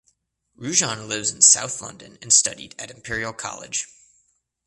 Rajan lives in South London and studied at Imperial College.